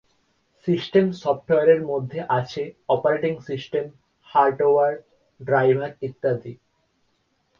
System সফটওয়্যারের মধ্যে আছে অপারেটিং সিস্টেম, হার্ডওয়্যার ড্রাইভার ইত্যাদি।